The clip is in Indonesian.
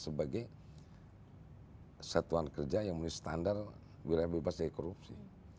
sebagai satuan kerja yang menulis standar wilayah bebas ekorusi